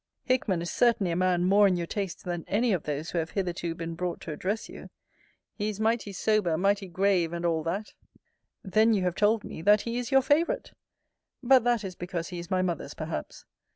Hickman is certainly a man more in your taste than any of those who have hitherto been brought to address you. He is mighty sober, mighty grave, and all that. Then you have told me, that he is your favourite. But that is because he is my mother's perhaps.